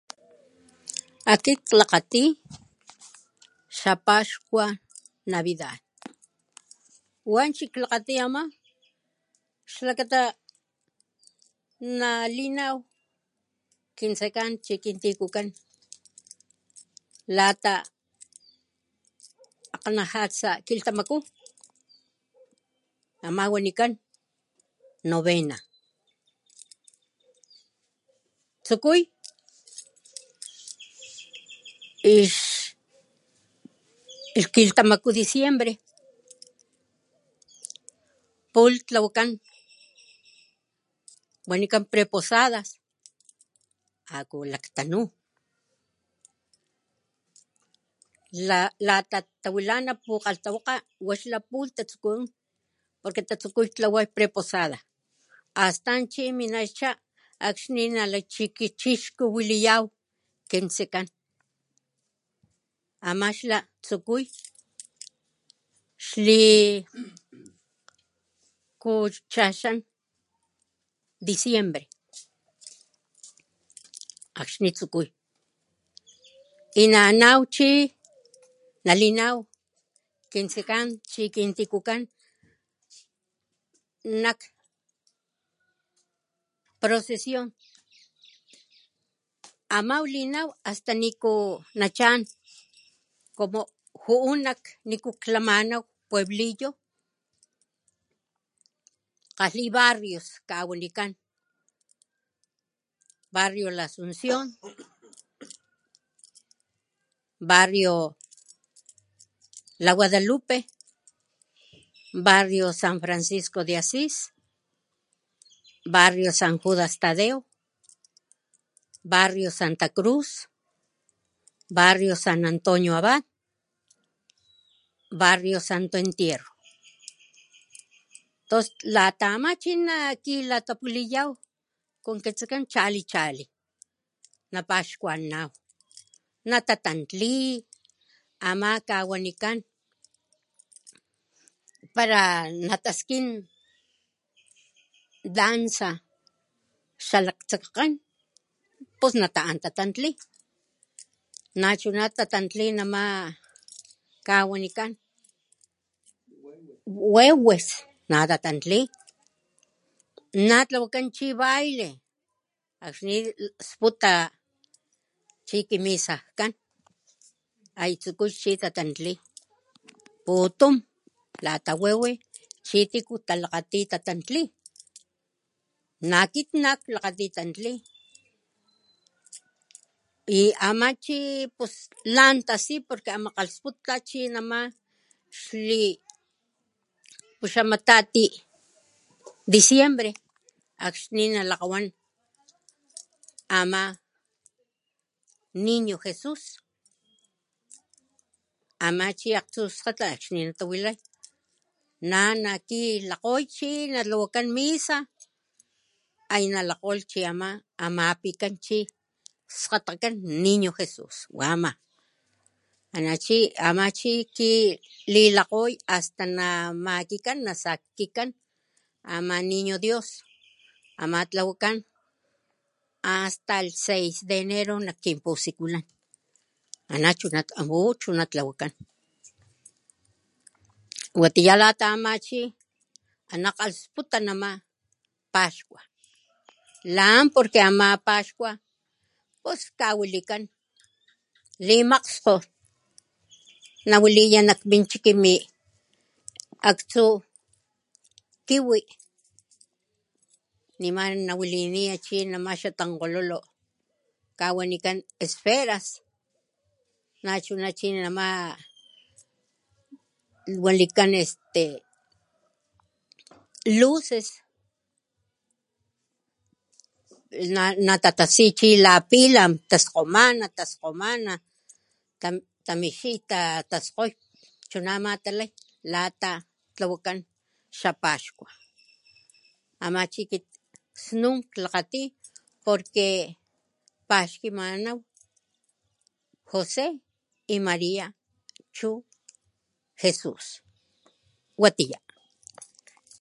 Akit klakgati xa paxkua navidad wanchi klakgati ama xlakata nalinaw kin tse'kan chi kin tikukan lata akgnajatsa kilhtamaku ama wanikan novena tsukuy ix ix kilhtamaku diciembre pulh tlawakan wanikan preposadas akulaktanu la latawilana pukkgalhtawakga wa xla pulh tatsuku porque tatsuku tatlaway preposada astan chi minacha akxni nalay chi kin chixkuwiliyaw kin tsekan ama xla tsukuy xli kuchaxan diciembre akxni tsukuy y nanaw chi nalinaw kin tsekan chi kin tikukan nak procesion aman linaw hasta niku chan como ju'u nak niku klamanaw Pueblillo kgalhi barrios kawanikan barrio la Asunción, barrio la Guadalupe, barrio San Francisco De Asis, barrio San Judas Tadeo, barrio Santa Cruz, barrio San Antonio Abad, barrio Santo Entierro, tos lata chi ama nakilatapuliyaw con kintsekan chali chali napaxkuanana natatantli ama kawanikan pala nataskin danza xalak tsankgen pus na ta'an ta'tantli nachuna tatantli nama kawanikan huehues natatantli natlawakan chi baile akxni sputa chi ki misajkan aya tsuku chi tatantli putun lata huehues chi tiku talakgati tatantli na kit nak klakgati tantli y ama chi pus lan tasi porque ama kgasputa chi nama xli puxamatati diciembre akxni nalakgawan ama niño Jesús ama chi aktsujskgata xni natawilay na'na natawilakgow natlawakan chi misa aya nalakgolh chi amapikan chi kiskgatakan niño jésus wama ana chi ama chi tililakgoy hasta namakikan nasakkikan ama niño Dios ama tlawakan hasta el seis de enero nak kin pusikulan ana chuna ju'u tlawakan watiya lata ama chi ana kgalhsputa nama paxkua lan porque ama paxkua pus kawalikan limakgskgo nawaliya nak min chiki mi aktsu kiwi nima nawaliniya chi nama xa tankgololo kawanikan esferas nachuna chinama wanikan este luces na'natatasi chi la pilam taskgomana, taskgomana kan tamixi taskgoy chunama talay lata tlawakan xa paxkua ama chi kit snun klakgati porque paxkimanaw José y Maria chu Jésus watiya.